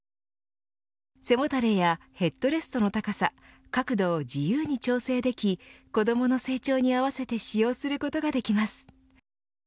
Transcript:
背もたれやヘッドレストの高さ角度を自由に調整でき子どもの成長に合わせて使用することができます。